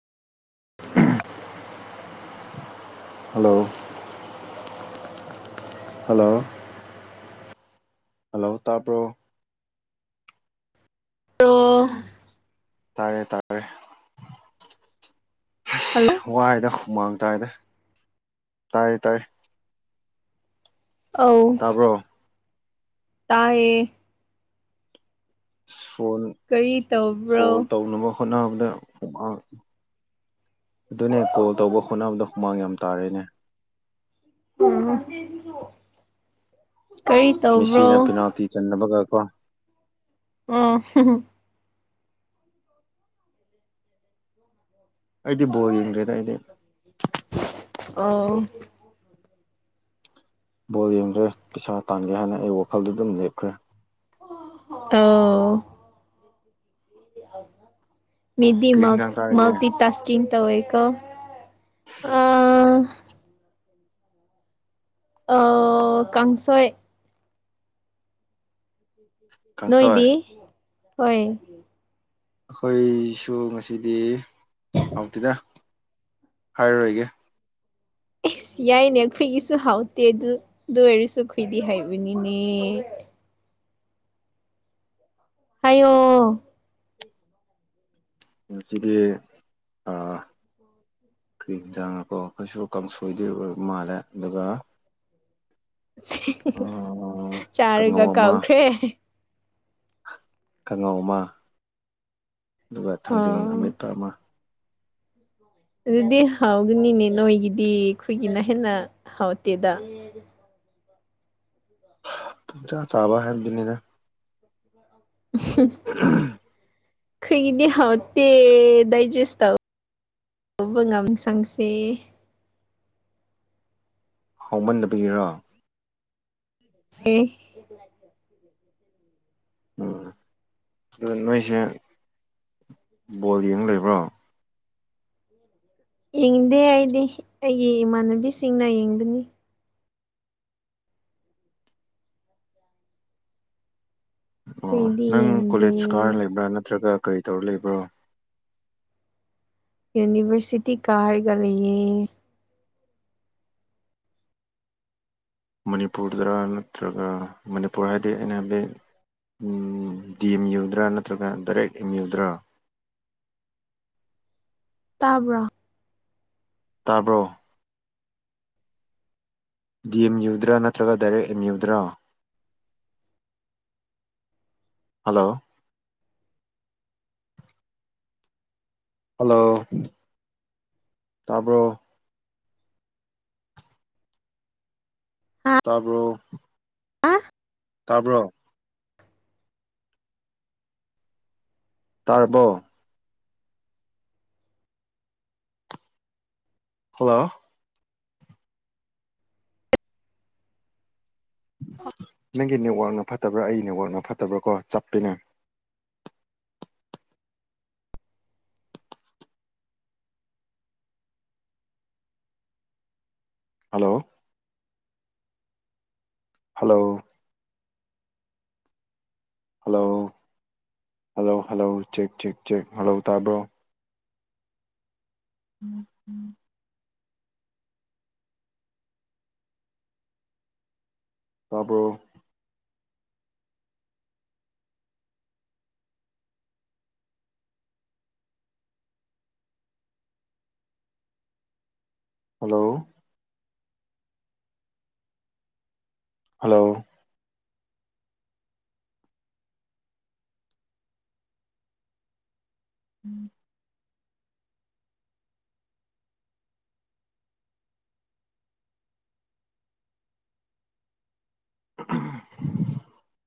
Hello hello hello ꯇꯥꯕ꯭ꯔꯣ [unintelligible] ꯇꯥꯔꯦ ꯇꯥꯔꯦ ꯍꯜꯂꯣ ꯑꯁ ꯋꯥꯏꯗ ꯍꯨꯃꯥꯡ ꯇꯥꯏꯗ ꯇꯥꯏꯌꯦ ꯇꯥꯏꯌꯦ ꯑꯧ ꯇꯥꯕ꯭ꯔꯣ ꯇꯥꯌꯦ ꯐꯣꯟ ꯀꯔꯤ ꯇꯧꯕ꯭ꯔꯣ ꯀꯣꯜ ꯇꯧꯅꯕ ꯍꯣꯠꯅꯕꯗ ꯍꯨꯃꯥꯡ ꯑꯗꯨꯅꯦ ꯀꯣꯜ ꯇꯧꯕ ꯍꯣꯠꯅꯕꯗ ꯍꯨꯃꯥꯡ ꯌꯥꯝ ꯇꯥꯔꯦꯅꯦ [unintelligible] ꯀꯔꯤ ꯇꯧꯕ꯭ꯔꯣ ꯃꯦꯁꯤꯅ ꯄꯤꯅꯥꯜꯇꯤ ꯆꯟꯗꯕꯒ ꯀꯣ ꯎꯝ꯫ ꯑꯩꯗꯤ ꯕꯣꯜ ꯌꯦꯡꯗ꯭ꯔꯦꯗ ꯑꯩꯗꯤ ꯑꯣ ꯕꯣꯜ ꯌꯦꯡꯗ꯭ꯔꯦ ꯄꯩꯁꯥ ꯇꯥꯟꯒꯦ ꯍꯥꯏꯅ ꯑꯩ ꯋꯥꯈꯜꯗꯨ ꯑꯗꯨꯝ ꯂꯦꯞꯈ꯭ꯔꯦ ꯑꯣ ꯃꯤꯗꯤ ꯀꯔꯤ ꯃ ꯍꯤꯟꯖꯥꯡ ꯆꯥꯔꯒꯦ ꯃꯜꯇꯤ ꯇꯥꯁꯀꯤꯡ ꯇꯧꯋꯦꯀꯣ [inaudible] ꯑꯥ ꯑꯣ ꯀꯪꯁꯣꯏ ꯀꯥꯡꯁꯣꯏ ꯅꯣꯏꯗꯤ ꯍꯣꯏ ꯑꯈꯣꯏꯁꯨ ꯉꯁꯤꯗꯤ ꯍꯥꯎꯇꯦꯗ ꯍꯥꯏꯔꯔꯣꯏꯒꯦ ꯏꯁ ꯌꯥꯏꯅꯦ ꯑꯩꯈꯣꯏꯒꯤꯁꯨ ꯍꯥꯎꯇꯦ ꯑꯗꯨ ꯑꯗꯨ ꯑꯣꯏꯔꯁꯨ ꯑꯩꯈꯣꯏꯗꯤ ꯍꯩꯕꯅꯤꯅꯦ ꯍꯥꯏꯌꯣ ꯁꯤꯒꯤ ꯑ ꯀ꯭ꯔꯤ ꯑꯦꯡꯖꯥꯡꯂꯀꯣ ꯑꯈꯣꯏꯁꯨ ꯀꯥꯡꯁꯣꯏꯗꯤ ꯑꯣꯏꯕ ꯃꯥꯜꯂꯦ ꯑꯗꯨꯒ ꯑꯥ ꯆꯥꯔꯒ ꯀꯥꯡꯉꯧ ꯀꯥꯎꯈ꯭ꯔꯦ ꯀꯪꯉꯧ ꯃ ꯑꯗꯨꯒ ꯊꯥꯡꯖꯤꯡ ꯑꯥ ꯑꯃꯦꯠꯄ ꯑꯃ ꯑꯗꯨꯗꯤ ꯍꯥꯎꯒꯅꯤꯅꯦ ꯅꯣꯏꯒꯤꯗꯤ ꯑꯩꯈꯣꯏꯒꯤꯅ ꯍꯦꯟꯅ ꯍꯥꯎꯇꯦꯗ ꯄꯨꯡꯆꯥꯥ ꯆꯥꯕ ꯍꯥꯏꯕꯗꯨꯅꯤꯅ [inaudible] ꯈꯣꯏꯒꯤꯗꯤ ꯍꯥꯎꯇꯦ ꯗꯥꯏꯖꯦꯁ ꯇꯧ [unintelligible] ꯍꯥꯎꯃꯟꯗꯕꯒꯤꯔꯣ ꯑꯦ [inaudible] ꯎꯝ ꯑꯗꯨ ꯅꯣꯏꯁꯦ ꯕꯣꯜ ꯌꯦꯡ ꯂꯩꯕ꯭ꯔꯣ ꯌꯦꯡꯗꯦ ꯑꯩꯗꯤ ꯑꯩꯒꯤ ꯏꯃꯥꯟꯅꯕꯤꯁꯤꯡꯅ ꯌꯦꯡꯕꯅꯤ ꯑꯣ ꯑꯩꯈꯣꯏꯗꯤ ꯅꯪ ꯌꯦꯡꯗꯦ ꯀꯣꯂꯦꯖ ꯀꯥꯔ ꯂꯩꯕ꯭ꯔꯥ ꯅꯠꯇ꯭ꯔꯒ ꯀꯔꯤ ꯇꯧꯔ ꯂꯩꯕ꯭ꯔꯣ ꯌꯨꯅꯤꯚꯔꯁꯤꯇꯤ ꯀꯥꯔꯒ ꯂꯩꯌꯦ ꯃꯅꯤꯄꯨꯔꯗꯔ ꯅꯠꯇ꯭ꯔꯒ ꯃꯅꯤꯄꯨꯔ ꯍꯥꯏꯗꯤ ꯑꯩꯅ ꯍꯥꯏꯕꯗꯤ ꯗꯤ ꯑꯦꯝ ꯌꯨ ꯗꯔꯥ ꯅꯠꯇ꯭ꯔꯒ ꯗꯥꯔꯦꯛ ꯑꯦꯝ ꯃ꯭ꯌꯨ ꯗꯔꯥ ꯇꯥꯕ꯭ꯔꯣ ꯇꯥꯕ꯭ꯔꯣ ꯗꯤ ꯑꯦꯝ ꯌꯨ ꯗꯔꯥ ꯅꯠꯇ꯭ꯔꯒ ꯗꯥꯏꯔꯦꯛ ꯑꯦꯝ ꯃ꯭ꯌꯨ ꯗꯔꯣ ꯍꯜꯂꯣ ꯍꯜꯂꯣ ꯇꯥꯕ꯭ꯔꯣ ꯇꯥꯕ꯭ꯔꯣ ꯑꯥ ꯇꯥꯕ꯭ꯔꯣ ꯇꯥꯔꯕꯣ ꯍꯜꯂꯣ ꯅꯪꯒꯤ ꯅꯦꯠꯋꯥꯛꯅ ꯐꯠꯇꯕ꯭ꯔꯥ ꯑꯩꯒꯤ ꯅꯦꯠꯋꯥꯛꯅ ꯐꯠꯇꯕ꯭ꯔꯥ ꯀꯣ ꯆꯞꯄꯤꯅꯦ hello hello hello hello hello check check check hello ꯇꯥꯕ꯭ꯔꯣ ꯎꯝ ꯎꯝ ꯇꯥꯕ꯭ꯔꯣ ꯍꯜꯂꯣ ꯍꯜꯂꯣ ꯎꯝ ꯎꯝ